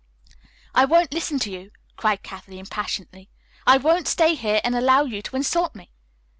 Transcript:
"I won't listen to you," cried Kathleen passionately. "I won't stay here and allow you to insult me."